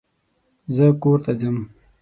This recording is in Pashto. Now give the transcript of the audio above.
زه کورته ځم.